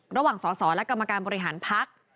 ระหว่างสอสอและกรรมการบริหารพัก